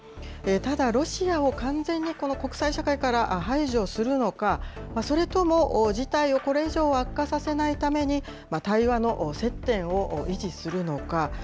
ただロシアを完全にこの国際社会から排除するのか、それとも、事態をこれ以上悪化させないために、対話の接点を維持するのか。